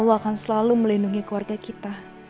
aku akan selalu melindungi keluarga kita